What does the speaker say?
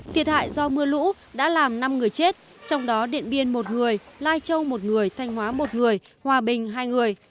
thiệt hại do mưa lũ đã làm năm người chết trong đó điện biên một người lai châu một người thanh hóa một người hòa bình hai người